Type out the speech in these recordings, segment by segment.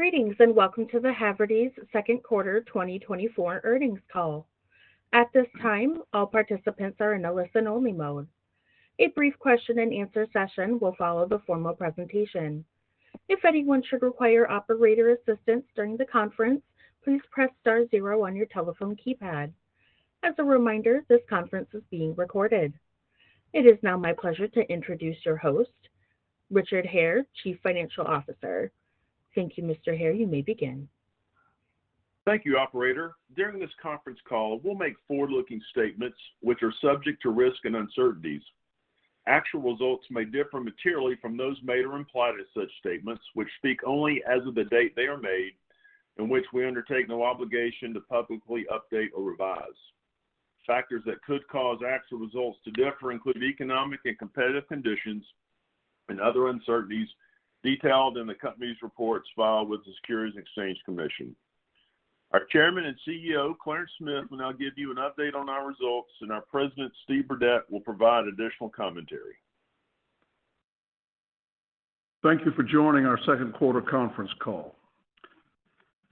Greetings, and welcome to the Havertys Second Quarter 2024 Earnings Call. At this time, all participants are in a listen-only mode. A brief question-and-answer session will follow the formal presentation. If anyone should require operator assistance during the conference, please press star zero on your telephone keypad. As a reminder, this conference is being recorded. It is now my pleasure to introduce your host, Richard Hare, Chief Financial Officer. Thank you, Mr. Hare. You may begin. Thank you, operator. During this conference call, we'll make forward-looking statements which are subject to risk and uncertainties. Actual results may differ materially from those made or implied as such statements, which speak only as of the date they are made, and which we undertake no obligation to publicly update or revise. Factors that could cause actual results to differ include economic and competitive conditions and other uncertainties detailed in the company's reports filed with the Securities and Exchange Commission. Our Chairman and CEO, Clarence Smith, will now give you an update on our results, and our President, Steve Burdette, will provide additional commentary. Thank you for joining our second quarter conference call.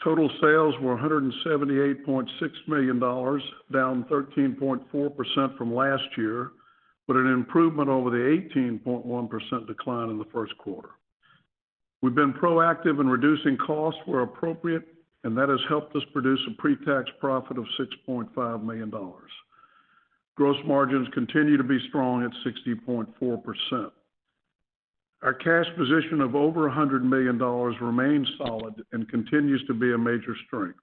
Total sales were $178.6 million, down 13.4% from last year, but an improvement over the 18.1% decline in the first quarter. We've been proactive in reducing costs where appropriate, and that has helped us produce a pre-tax profit of $6.5 million. Gross margins continue to be strong at 60.4%. Our cash position of over $100 million remains solid and continues to be a major strength.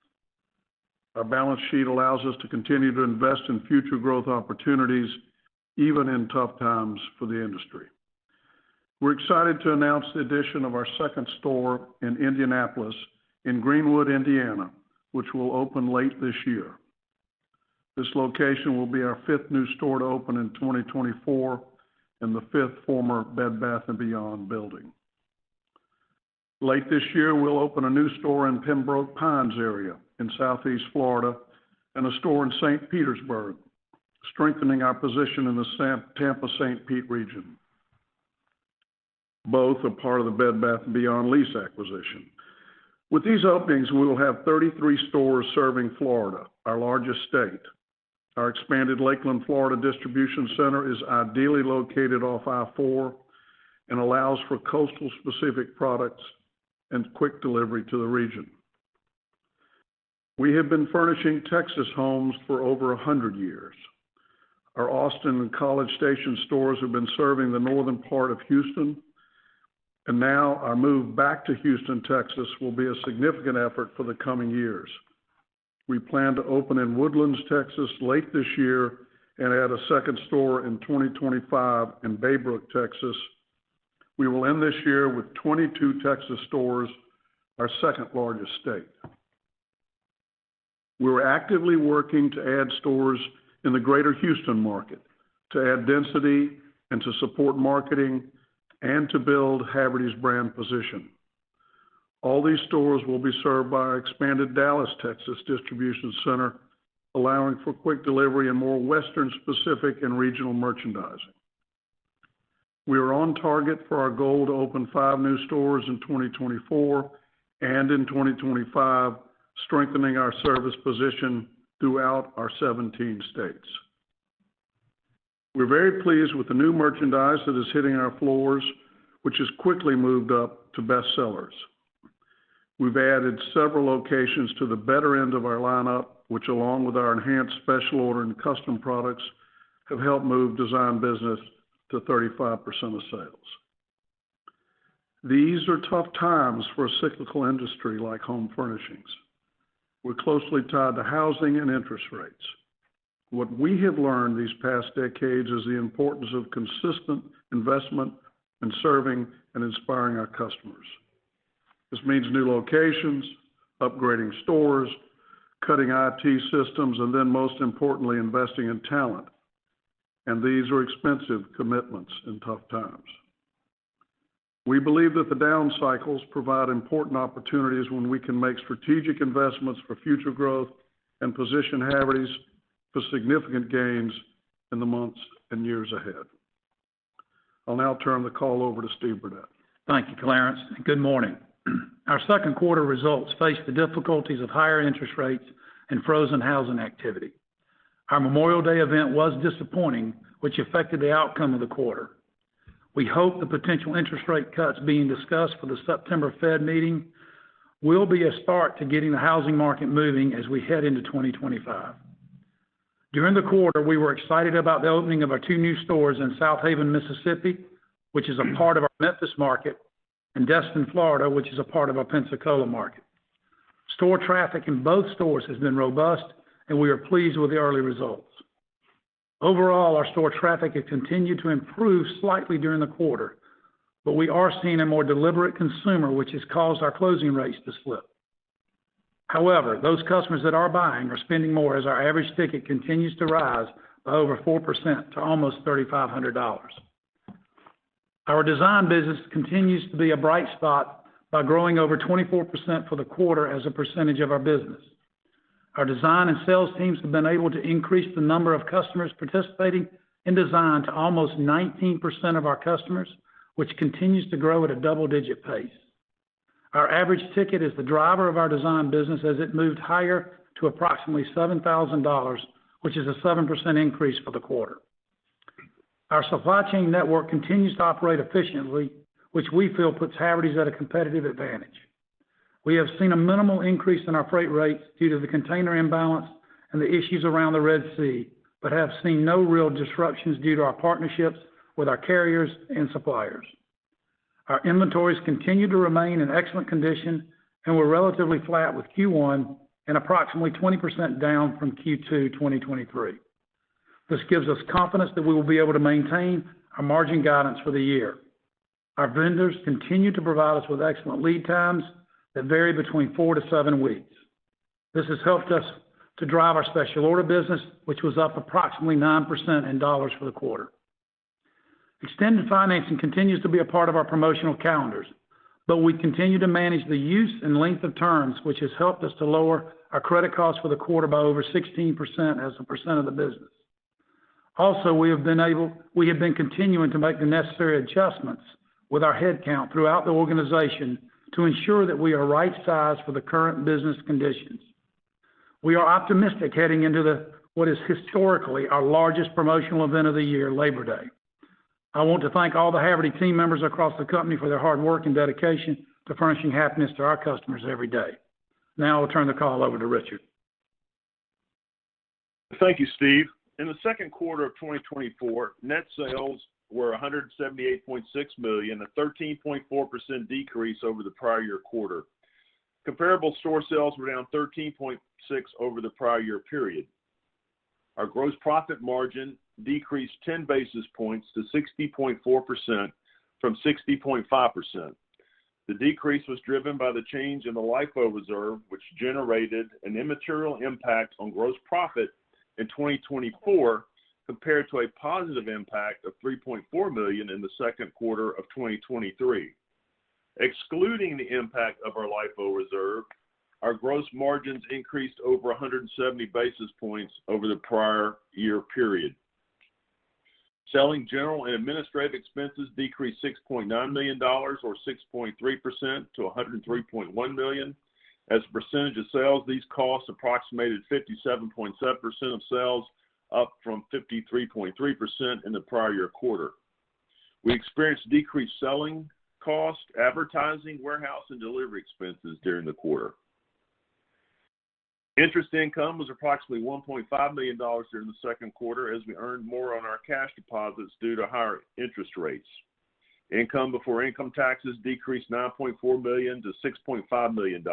Our balance sheet allows us to continue to invest in future growth opportunities, even in tough times for the industry. We're excited to announce the addition of our second store in Indianapolis, in Greenwood, Indiana, which will open late this year. This location will be our fifth new store to open in 2024 and the fifth former Bed Bath & Beyond building. Late this year, we'll open a new store in Pembroke Pines area in Southeast Florida and a store in St. Petersburg, strengthening our position in the Tampa-St. Pete region, both are part of the Bed Bath & Beyond lease acquisition. With these openings, we will have 33 stores serving Florida, our largest state. Our expanded Lakeland, Florida, distribution center is ideally located off I-4 and allows for coastal-specific products and quick delivery to the region. We have been furnishing Texas homes for over 100 years. Our Austin and College Station stores have been serving the northern part of Houston, and now our move back to Houston, Texas, will be a significant effort for the coming years. We plan to open in The Woodlands, Texas, late this year and add a second store in 2025 in Baybrook, Texas. We will end this year with 22 Texas stores, our second-largest state. We're actively working to add stores in the greater Houston market, to add density and to support marketing and to build Havertys brand position. All these stores will be served by our expanded Dallas, Texas, distribution center, allowing for quick delivery and more Western-specific and regional merchandising. We are on target for our goal to open five new stores in 2024 and in 2025, strengthening our service position throughout our 17 states. We're very pleased with the new merchandise that is hitting our floors, which has quickly moved up to best sellers. We've added several locations to the better end of our lineup, which, along with our enhanced special order and custom products, have helped move design business to 35% of sales. These are tough times for a cyclical industry like home furnishings. We're closely tied to housing and interest rates. What we have learned these past decades is the importance of consistent investment in serving and inspiring our customers. This means new locations, upgrading stores, cutting-edge IT systems, and then, most importantly, investing in talent. These are expensive commitments in tough times. We believe that the down cycles provide important opportunities when we can make strategic investments for future growth and position Havertys for significant gains in the months and years ahead. I'll now turn the call over to Steve Burdette. Thank you, Clarence, and good morning. Our second quarter results faced the difficulties of higher interest rates and frozen housing activity. Our Memorial Day event was disappointing, which affected the outcome of the quarter. We hope the potential interest rate cuts being discussed for the September Fed meeting will be a start to getting the housing market moving as we head into 2025. During the quarter, we were excited about the opening of our 2 new stores in Southaven, Mississippi, which is a part of our Memphis market, and Destin, Florida, which is a part of our Pensacola market. Store traffic in both stores has been robust, and we are pleased with the early results. Overall, our store traffic has continued to improve slightly during the quarter, but we are seeing a more deliberate consumer, which has caused our closing rates to slip. However, those customers that are buying are spending more, as our average ticket continues to rise by over 4% to almost $3,500. Our design business continues to be a bright spot by growing over 24% for the quarter as a percentage of our business. Our design and sales teams have been able to increase the number of customers participating in design to almost 19% of our customers, which continues to grow at a double-digit pace. Our average ticket is the driver of our design business as it moved higher to approximately $7,000, which is a 7% increase for the quarter. Our supply chain network continues to operate efficiently, which we feel puts Havertys at a competitive advantage. We have seen a minimal increase in our freight rates due to the container imbalance and the issues around the Red Sea, but have seen no real disruptions due to our partnerships with our carriers and suppliers. Our inventories continue to remain in excellent condition, and we're relatively flat with Q1 and approximately 20% down from Q2 2023. This gives us confidence that we will be able to maintain our margin guidance for the year. Our vendors continue to provide us with excellent lead times that vary between 4-7 weeks. This has helped us to drive our special order business, which was up approximately 9% in dollars for the quarter. Extended financing continues to be a part of our promotional calendars, but we continue to manage the use and length of terms, which has helped us to lower our credit costs for the quarter by over 16% as a percent of the business. Also, we have been continuing to make the necessary adjustments with our headcount throughout the organization to ensure that we are right-sized for the current business conditions. We are optimistic heading into the, what is historically our largest promotional event of the year, Labor Day. I want to thank all the Havertys team members across the company for their hard work and dedication to furnishing happiness to our customers every day. Now I'll turn the call over to Richard. Thank you, Steve. In the second quarter of 2024, net sales were $178.6 million, a 13.4% decrease over the prior year quarter. Comparable store sales were down 13.6% over the prior year period. Our gross profit margin decreased 10 basis points to 60.4% from 60.5%. The decrease was driven by the change in the LIFO reserve, which generated an immaterial impact on gross profit in 2024, compared to a positive impact of $3.4 million in the second quarter of 2023. Excluding the impact of our LIFO reserve, our gross margins increased over 170 basis points over the prior year period. Selling, general, and administrative expenses decreased $6.9 million, or 6.3% to $103.1 million. As a percentage of sales, these costs approximated 57.7% of sales, up from 53.3% in the prior year quarter. We experienced decreased selling costs, advertising, warehouse, and delivery expenses during the quarter. Interest income was approximately $1.5 million during the second quarter, as we earned more on our cash deposits due to higher interest rates. Income before income taxes decreased $9.4 million to $6.5 million.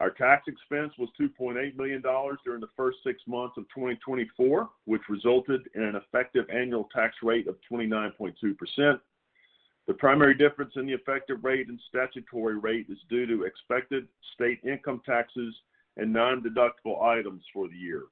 Our tax expense was $2.8 million during the first six months of 2024, which resulted in an effective annual tax rate of 29.2%. The primary difference in the effective rate and statutory rate is due to expected state income taxes and nondeductible items for the year.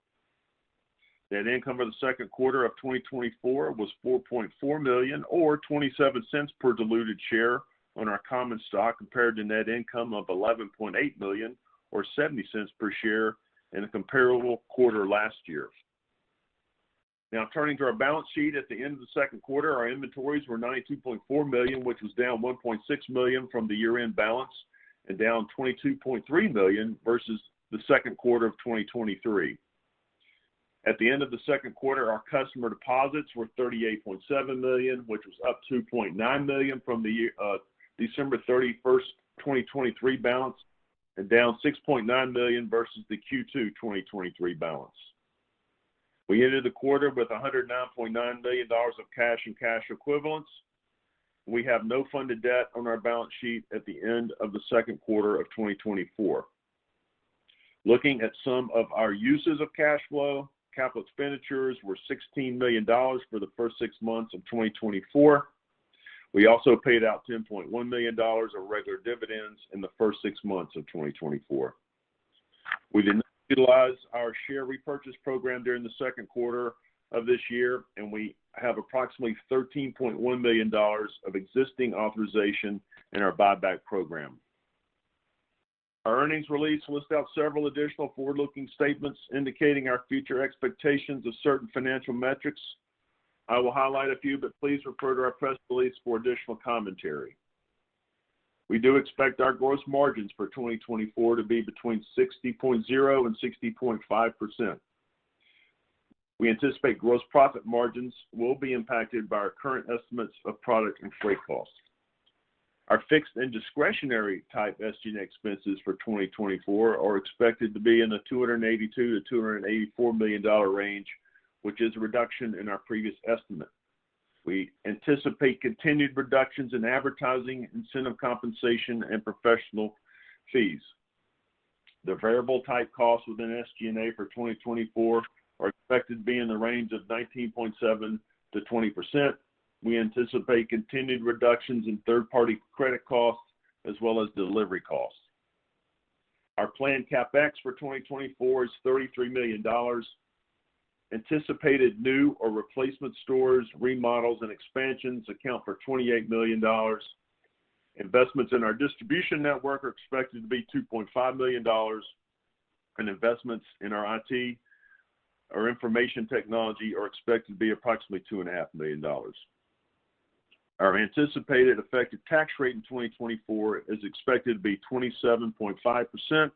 Net income for the second quarter of 2024 was $4.4 million, or $0.27 per diluted share on our common stock, compared to net income of $11.8 million, or $0.70 per share in a comparable quarter last year. Now, turning to our balance sheet. At the end of the second quarter, our inventories were $92.4 million, which was down $1.6 million from the year-end balance and down $22.3 million versus the second quarter of 2023. At the end of the second quarter, our customer deposits were $38.7 million, which was up $2.9 million from the year, December 31, 2023 balance, and down $6.9 million versus the Q2 2023 balance. We ended the quarter with $109.9 million of cash and cash equivalents. We have no funded debt on our balance sheet at the end of the second quarter of 2024. Looking at some of our uses of cash flow, capital expenditures were $16 million for the first six months of 2024. We also paid out $10.1 million of regular dividends in the first six months of 2024. We did not utilize our share repurchase program during the second quarter of this year, and we have approximately $13.1 million of existing authorization in our buyback program. Our earnings release lists out several additional forward-looking statements indicating our future expectations of certain financial metrics. I will highlight a few, but please refer to our press release for additional commentary. We do expect our gross margins for 2024 to be between 60.0% and 60.5%. We anticipate gross profit margins will be impacted by our current estimates of product and freight costs. Our fixed and discretionary type SG&A expenses for 2024 are expected to be in the $282 million-$284 million range, which is a reduction in our previous estimate. We anticipate continued reductions in advertising, incentive compensation, and professional fees. The variable type costs within SG&A for 2024 are expected to be in the range of 19.7%-20%. We anticipate continued reductions in third-party credit costs as well as delivery costs. Our planned CapEx for 2024 is $33 million dollars. Anticipated new or replacement stores, remodels, and expansions account for $28 million dollars. Investments in our distribution network are expected to be $2.5 million, and investments in our IT, our information technology, are expected to be approximately $2.5 million. Our anticipated effective tax rate in 2024 is expected to be 27.5%.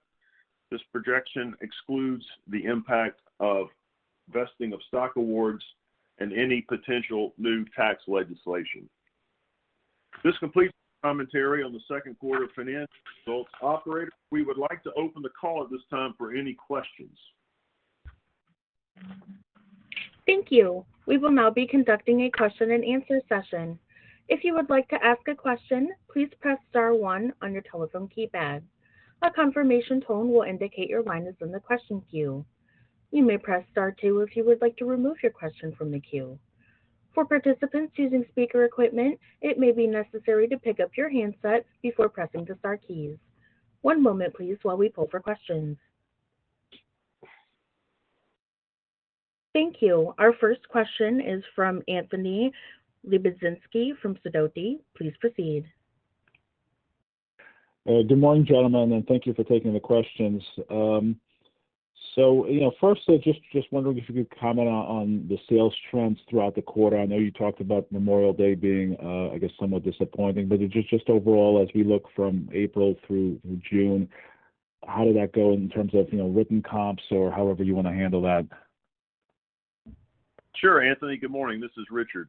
This projection excludes the impact of vesting of stock awards and any potential new tax legislation. This completes the commentary on the second quarter financial results. Operator, we would like to open the call at this time for any questions. Thank you. We will now be conducting a question-and-answer session. If you would like to ask a question, please press star one on your telephone keypad. A confirmation tone will indicate your line is in the question queue. You may press star two if you would like to remove your question from the queue. For participants using speaker equipment, it may be necessary to pick up your handsets before pressing the star keys. One moment, please, while we pull for questions. Thank you. Our first question is from Anthony Lebiedzinski from Sidoti. Please proceed. Good morning, gentlemen, and thank you for taking the questions. So, you know, first, just, just wondering if you could comment on, on the sales trends throughout the quarter. I know you talked about Memorial Day being, I guess, somewhat disappointing, but just, just overall, as we look from April through June, how did that go in terms of, you know, written comps or however you want to handle that? Sure, Anthony. Good morning. This is Richard.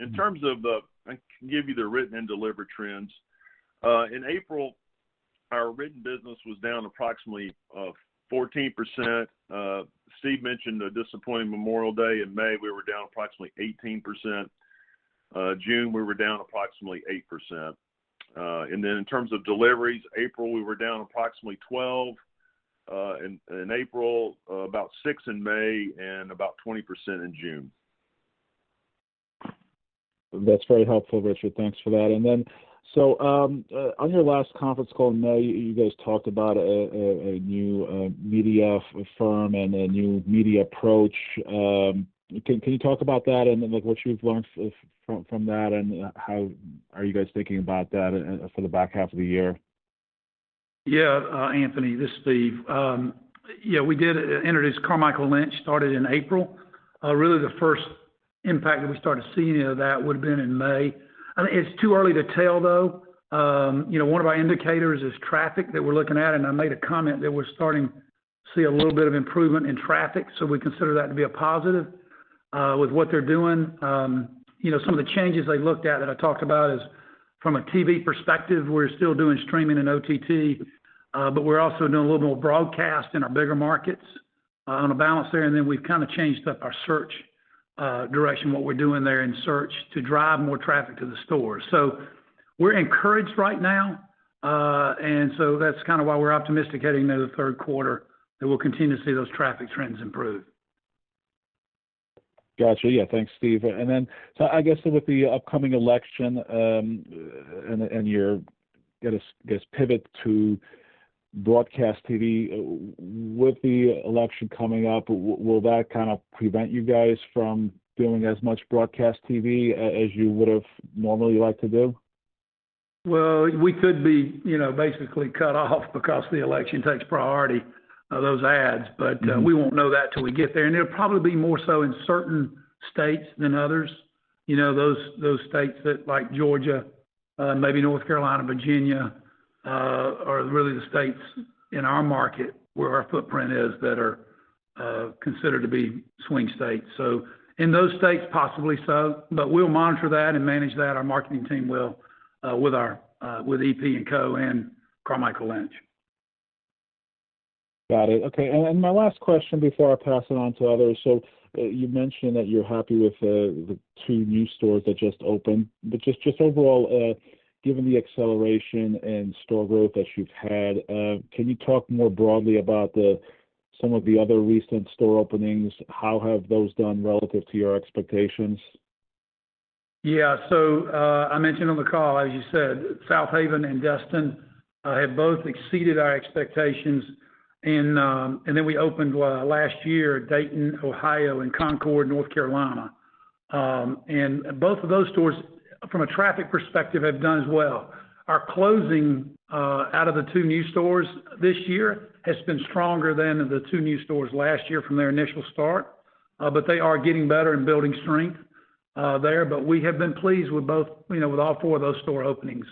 In terms of, I can give you the written and delivered trends. In April, our written business was down approximately 14%. Steve mentioned a disappointing Memorial Day. In May, we were down approximately 18%. June, we were down approximately 8%. And then in terms of deliveries, April, we were down approximately 12 in April, about 6 in May, and about 20% in June. That's very helpful, Richard. Thanks for that. And then, so, on your last conference call in May, you guys talked about a new media firm and a new media approach. Can you talk about that and then, like, what you've learned from that, and how are you guys thinking about that for the back half of the year? Yeah, Anthony, this is Steve. Yeah, we did introduce Carmichael Lynch, started in April. Really the first impact that we started seeing of that would've been in May. I mean, it's too early to tell, though. You know, one of our indicators is traffic that we're looking at, and I made a comment that we're starting to see a little bit of improvement in traffic, so we consider that to be a positive, with what they're doing. You know, some of the changes they looked at that I talked about is from a TV perspective, we're still doing streaming and OTT, but we're also doing a little more broadcast in our bigger markets, on a balance there. And then we've kind of changed up our search, direction, what we're doing there in search, to drive more traffic to the stores. We're encouraged right now, and so that's kind of why we're optimistic heading into the third quarter, that we'll continue to see those traffic trends improve. Got you. Yeah. Thanks, Steve. And then, so I guess with the upcoming election, and your, I guess, pivot to broadcast TV, with the election coming up, will that kind of prevent you guys from doing as much broadcast TV as you would've normally like to do? Well, we could be, you know, basically cut off because the election takes priority of those ads, but- Mm-hmm. We won't know that till we get there. And it'll probably be more so in certain states than others. You know, those, those states that like Georgia, maybe North Carolina, Virginia, are really the states in our market where our footprint is, that are, considered to be swing states. So in those states, possibly so, but we'll monitor that and manage that. Our marketing team will, with our, with EP+Co and Carmichael Lynch. Got it. Okay, and my last question before I pass it on to others. So you mentioned that you're happy with the two new stores that just opened, but just overall, given the acceleration and store growth that you've had, can you talk more broadly about some of the other recent store openings? How have those done relative to your expectations? Yeah. So, I mentioned on the call, as you said, Southaven and Destin have both exceeded our expectations. And then we opened last year, Dayton, Ohio, and Concord, North Carolina. And both of those stores, from a traffic perspective, have done as well. Our closing out of the two new stores this year has been stronger than the two new stores last year from their initial start, but they are getting better and building strength there. But we have been pleased with both, you know, with all four of those store openings.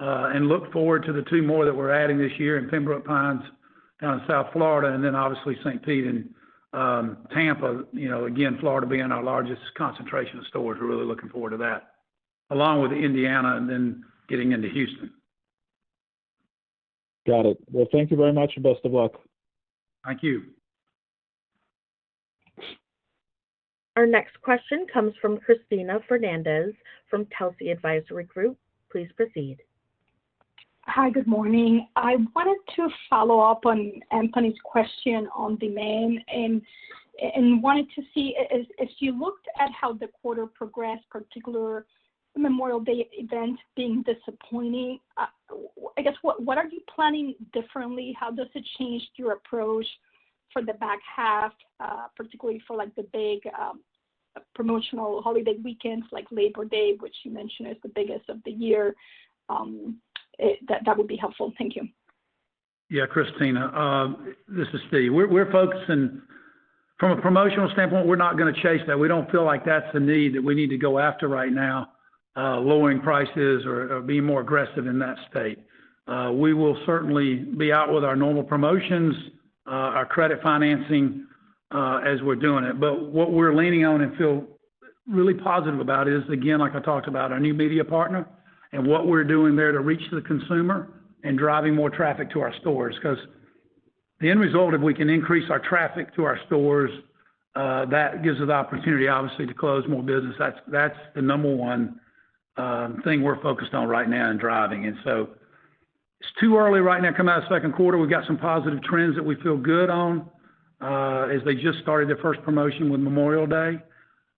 And look forward to the two more that we're adding this year in Pembroke Pines, down in South Florida, and then obviously St. Pete and Tampa. You know, again, Florida being our largest concentration of stores, we're really looking forward to that, along with Indiana and then getting into Houston. Got it. Well, thank you very much, and best of luck. Thank you. Our next question comes from Cristina Fernández from Telsey Advisory Group. Please proceed. Hi, good morning. I wanted to follow up on Anthony's question on demand, and wanted to see, as you looked at how the quarter progressed, particular Memorial Day event being disappointing, I guess, what are you planning differently? How does it change your approach?... for the back half, particularly for, like, the big promotional holiday weekends, like Labor Day, which you mentioned is the biggest of the year, that would be helpful. Thank you. Yeah, Cristina, this is Steve. We're focusing from a promotional standpoint, we're not gonna chase that. We don't feel like that's a need that we need to go after right now, lowering prices or being more aggressive in that state. We will certainly be out with our normal promotions, our credit financing, as we're doing it. But what we're leaning on and feel really positive about is, again, like I talked about, our new media partner and what we're doing there to reach the consumer and driving more traffic to our stores. Because the end result, if we can increase our traffic to our stores, that gives us the opportunity, obviously, to close more business. That's the number one thing we're focused on right now in driving. It's too early right now, coming out of the second quarter. We've got some positive trends that we feel good on, as they just started their first promotion with Memorial Day.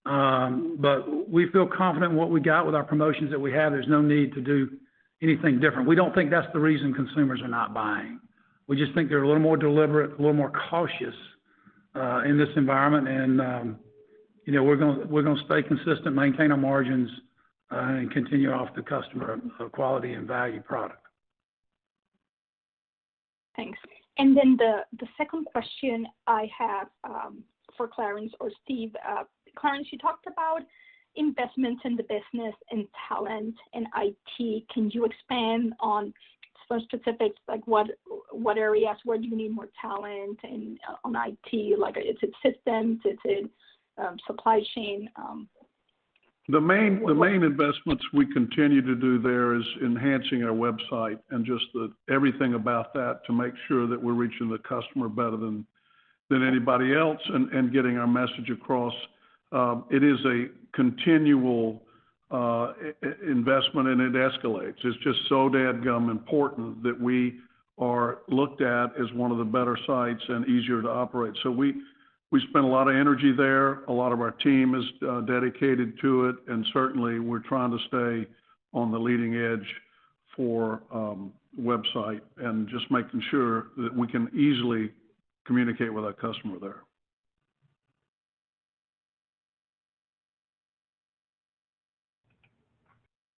But we feel confident in what we got with our promotions that we have. There's no need to do anything different. We don't think that's the reason consumers are not buying. We just think they're a little more deliberate, a little more cautious, in this environment. You know, we're gonna stay consistent, maintain our margins, and continue to offer the customer a quality and value product. Thanks. And then the second question I have for Clarence or Steve. Clarence, you talked about investments in the business and talent and IT. Can you expand on some specifics, like what areas, where do you need more talent and on IT? Like, is it systems, is it supply chain? The main investments we continue to do there is enhancing our website and just the everything about that to make sure that we're reaching the customer better than anybody else and getting our message across. It is a continual investment, and it escalates. It's just so dadgum important that we are looked at as one of the better sites and easier to operate. So we spend a lot of energy there. A lot of our team is dedicated to it, and certainly, we're trying to stay on the leading edge for website and just making sure that we can easily communicate with our customer there.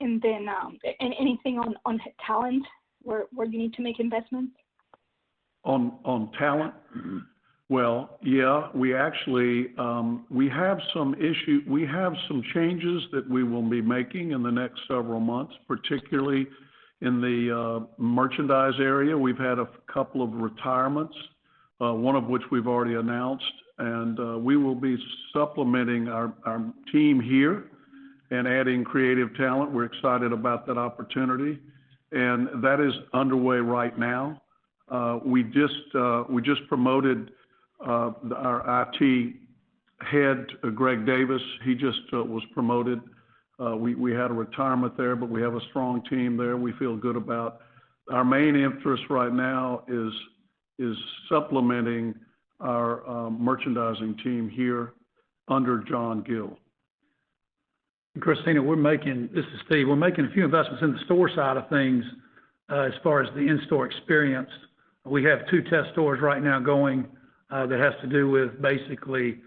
Anything on talent, where you need to make investments? On talent? Well, yeah, we actually, we have some changes that we will be making in the next several months, particularly in the merchandise area. We've had a couple of retirements, one of which we've already announced, and we will be supplementing our team here and adding creative talent. We're excited about that opportunity, and that is underway right now. We just promoted our IT head, Greg Davis. He just was promoted. We had a retirement there, but we have a strong team there we feel good about. Our main interest right now is supplementing our merchandising team here under John Gill. And Cristina, this is Steve. We're making a few investments in the store side of things, as far as the in-store experience. We have two test stores right now going, that has to do with basically,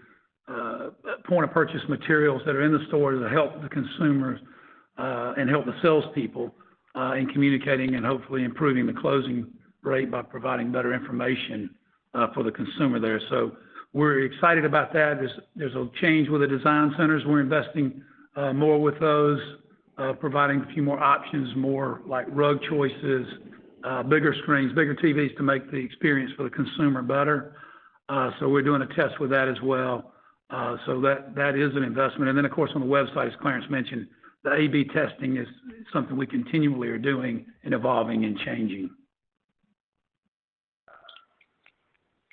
point-of-purchase materials that are in the store to help the consumers, and help the salespeople, in communicating and hopefully improving the closing rate by providing better information, for the consumer there. So we're excited about that. There's a change with the design centers. We're investing more with those, providing a few more options, more like rug choices, bigger screens, bigger TVs to make the experience for the consumer better. So we're doing a test with that as well. So that is an investment. And then, of course, on the website, as Clarence mentioned, the A/B testing is something we continually are doing and evolving and changing.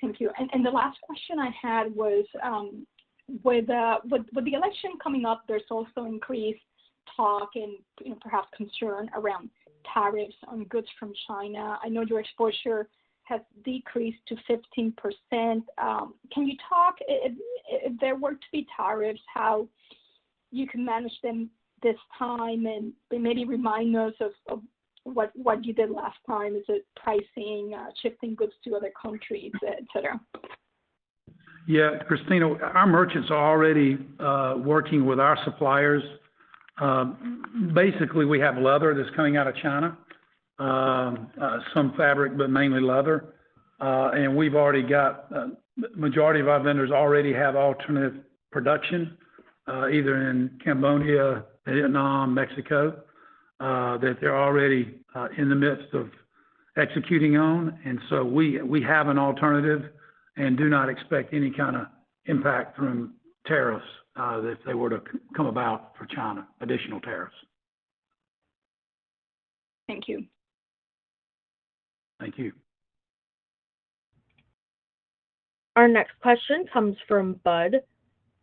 Thank you. And the last question I had was with the election coming up, there's also increased talk and perhaps concern around tariffs on goods from China. I know your exposure has decreased to 15%. Can you talk if there were to be tariffs, how you can manage them this time? And maybe remind us of what you did last time. Is it pricing, shifting goods to other countries, et cetera? Yeah, Cristina, our merchants are already working with our suppliers. Basically, we have leather that's coming out of China, some fabric, but mainly leather. And we've already got majority of our vendors already have alternative production, either in Cambodia, Vietnam, Mexico, that they're already in the midst of executing on. And so we, we have an alternative and do not expect any kind of impact from tariffs, if they were to come about for China, additional tariffs. Thank you. Thank you. Our next question comes from Budd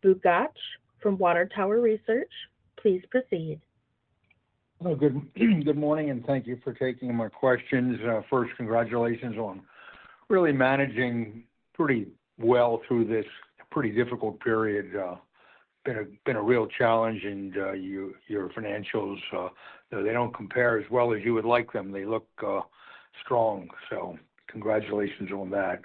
Bugatch from Water Tower Research. Please proceed. Hello, good morning, and thank you for taking my questions. First, congratulations on really managing pretty well through this pretty difficult period. Been a real challenge and your financials, they don't compare as well as you would like them. They look strong, so congratulations on that.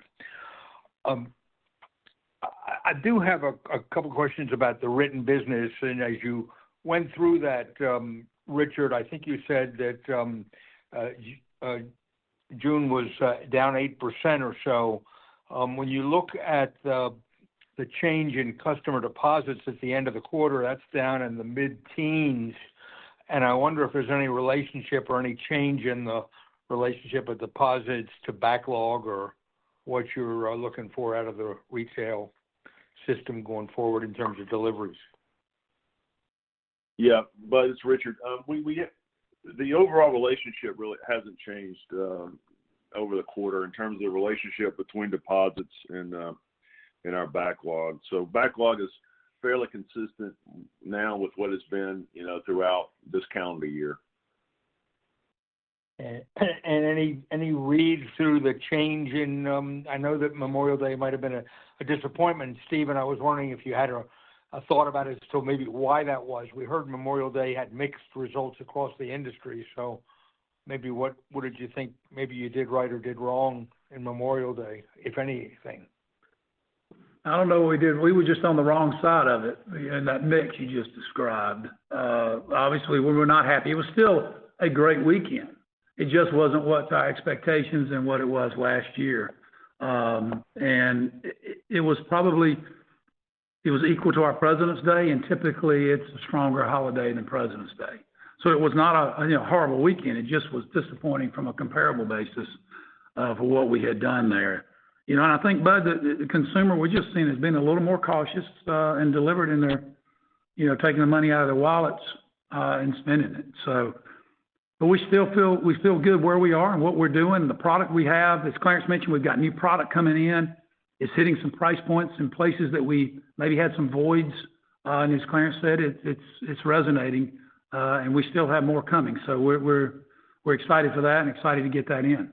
I do have a couple questions about the written business, and as you went through that, Richard, I think you said that June was down 8% or so. When you look at the change in customer deposits at the end of the quarter, that's down in the mid-teens, and I wonder if there's any relationship or any change in the relationship with deposits to backlog or what you're looking for out of the retail system going forward in terms of deliveries? Yeah, Budd, it's Richard. We get the overall relationship really hasn't changed over the quarter in terms of the relationship between deposits and our backlog. So backlog is fairly consistent now with what it's been, you know, throughout this calendar year. And any read through the change in. I know that Memorial Day might have been a disappointment, Steve, and I was wondering if you had a thought about as to maybe why that was. We heard Memorial Day had mixed results across the industry, so maybe what did you think maybe you did right or did wrong in Memorial Day, if anything? I don't know what we did. We were just on the wrong side of it in that mix you just described. Obviously, we were not happy. It was still a great weekend. It just wasn't what our expectations and what it was last year. It was equal to our President's Day, and typically it's a stronger holiday than President's Day. So it was not a, you know, horrible weekend, it just was disappointing from a comparable basis of what we had done there. You know, and I think, Budd, the consumer, we've just seen, has been a little more cautious in delivering in their, you know, taking the money out of their wallets and spending it. So but we still feel, we feel good where we are and what we're doing, the product we have. As Clarence mentioned, we've got new product coming in. It's hitting some price points in places that we maybe had some voids. And as Clarence said, it's resonating, and we still have more coming. So we're excited for that and excited to get that in.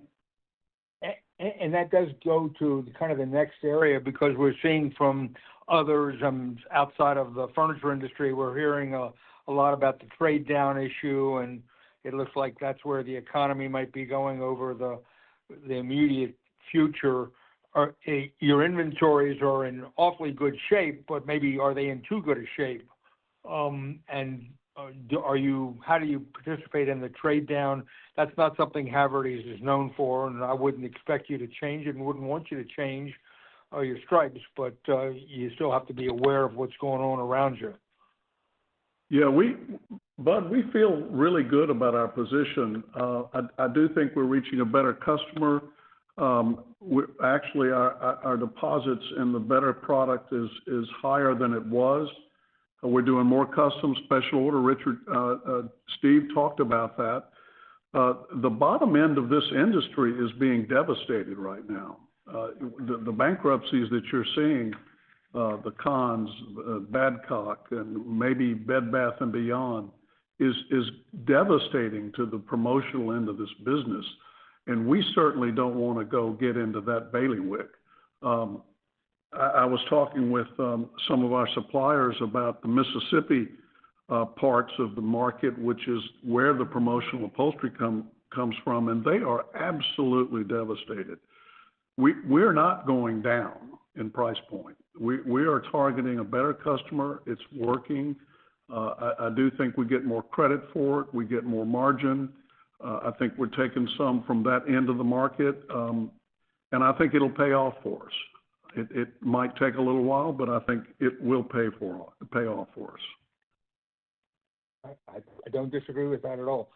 that does go to kind of the next area, because we're seeing from others outside of the furniture industry, we're hearing a lot about the trade down issue, and it looks like that's where the economy might be going over the immediate future. Your inventories are in awfully good shape, but maybe are they in too good a shape? Are you -- how do you participate in the trade down? That's not something Havertys is known for, and I wouldn't expect you to change it, and wouldn't want you to change your stripes, but you still have to be aware of what's going on around you. Yeah, we -- Budd, we feel really good about our position. I do think we're reaching a better customer. Actually, our deposits and the better product is higher than it was. We're doing more custom special order. Richard, Steve talked about that. The bottom end of this industry is being devastated right now. The bankruptcies that you're seeing, the Conn's, Badcock, and maybe Bed Bath & Beyond, is devastating to the promotional end of this business, and we certainly don't want to go get into that bailiwick. I was talking with some of our suppliers about the Mississippi parts of the market, which is where the promotional upholstery comes from, and they are absolutely devastated. We're not going down in price point. We are targeting a better customer. It's working. I do think we get more credit for it. We get more margin. I think we're taking some from that end of the market, and I think it'll pay off for us. It might take a little while, but I think it will pay off for us. I don't disagree with that at all.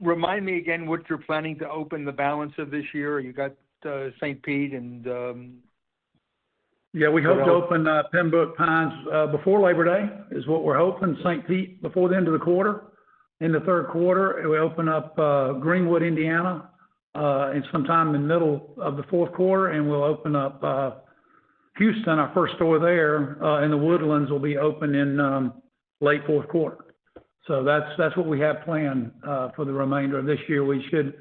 Remind me again what you're planning to open the balance of this year. You got St. Pete and— Yeah, we hope to open Pembroke Pines before Labor Day, is what we're hoping. St. Pete, before the end of the quarter. In the third quarter, we open up Greenwood, Indiana, and sometime in the middle of the fourth quarter, and we'll open up Houston, our first store there, in The Woodlands, will be open in late fourth quarter. So that's what we have planned for the remainder of this year. We should,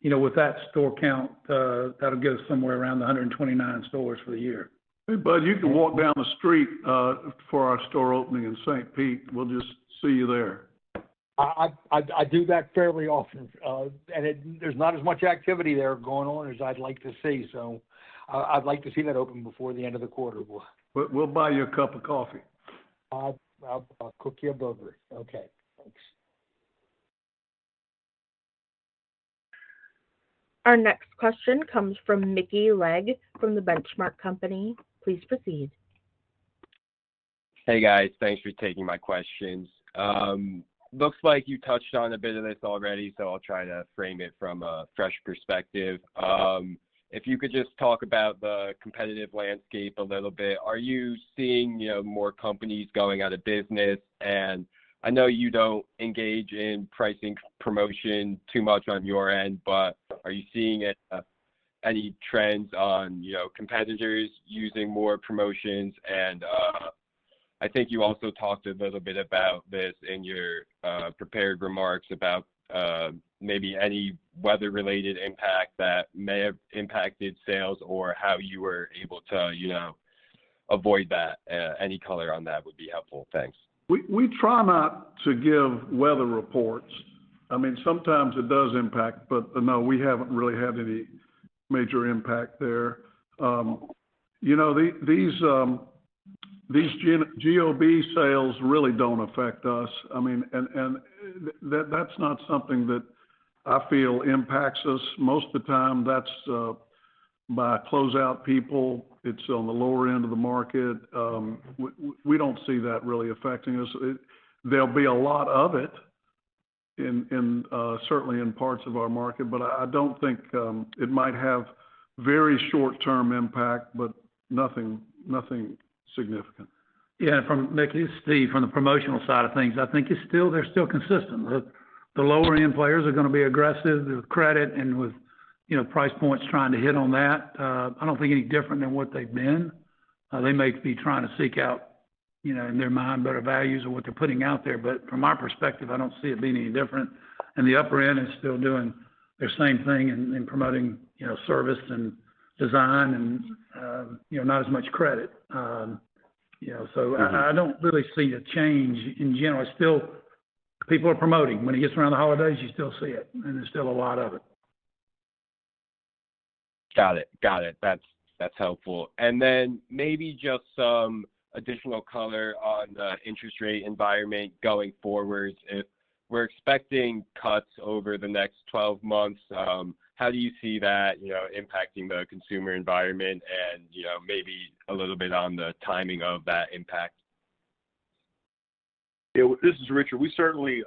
you know, with that store count, that'll get us somewhere around 129 stores for the year. Hey, Budd, you can walk down the street for our store opening in St. Pete. We'll just see you there. I do that fairly often, and there's not as much activity there going on as I'd like to see, so I'd like to see that open before the end of the quarter, boy. We'll buy you a cup of coffee. I'll cook you a burger. Okay, thanks. Our next question comes from Mickey Legg, from The Benchmark Company. Please proceed. Hey, guys. Thanks for taking my questions. Looks like you touched on a bit of this already, so I'll try to frame it from a fresh perspective. If you could just talk about the competitive landscape a little bit. Are you seeing, you know, more companies going out of business? And I know you don't engage in pricing promotion too much on your end, but are you seeing any trends on, you know, competitors using more promotions? And I think you also talked a little bit about this in your prepared remarks about maybe any weather-related impact that may have impacted sales or how you were able to, you know, avoid that? Any color on that would be helpful. Thanks. We, we try not to give weather reports. I mean, sometimes it does impact, but no, we haven't really had any major impact there. You know, these GOB sales really don't affect us. I mean, that's not something that I feel impacts us. Most of the time, that's by closeout people, it's on the lower end of the market. We don't see that really affecting us. There'll be a lot of it in certainly in parts of our market, but I don't think it might have very short-term impact, but nothing, nothing significant. Yeah, from Mickey, Steve, from the promotional side of things, I think it's still—they're still consistent. The lower-end players are gonna be aggressive with credit and with, you know, price points trying to hit on that. I don't think any different than what they've been. They may be trying to seek out, you know, in their mind, better values of what they're putting out there, but from my perspective, I don't see it being any different. And the upper end is still doing the same thing and promoting, you know, service and design and, you know, not as much credit. You know, so I don't really see a change. In general, it's still people are promoting. When it gets around the holidays, you still see it, and there's still a lot of it. Got it. Got it. That's, that's helpful. And then maybe just some additional color on the interest rate environment going forward. If we're expecting cuts over the next 12 months, how do you see that, you know, impacting the consumer environment and, you know, maybe a little bit on the timing of that impact? Yeah, this is Richard. We certainly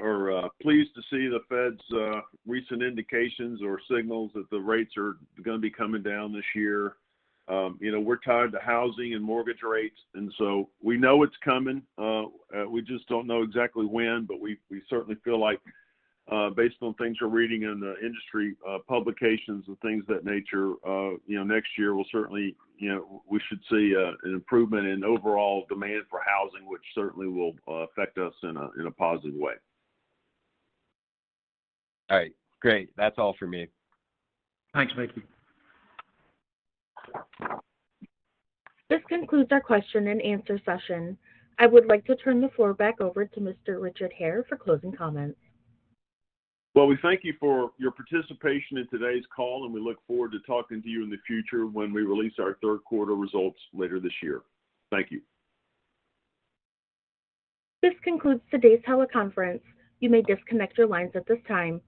are pleased to see the Fed's recent indications or signals that the rates are gonna be coming down this year. You know, we're tied to housing and mortgage rates, and so we know it's coming. We just don't know exactly when, but we certainly feel like, based on things we're reading in the industry publications and things of that nature, you know, next year will certainly, you know, we should see an improvement in overall demand for housing, which certainly will affect us in a positive way. All right, great. That's all for me. Thanks, Mickey. This concludes our question and answer session. I would like to turn the floor back over to Mr. Richard Hare for closing comments. Well, we thank you for your participation in today's call, and we look forward to talking to you in the future when we release our third quarter results later this year. Thank you. This concludes today's teleconference. You may disconnect your lines at this time.